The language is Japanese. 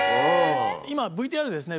今ＶＴＲでですね